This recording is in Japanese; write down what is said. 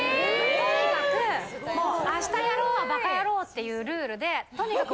・とにかく「明日やろうはばかやろう」っていうルールでとにかく。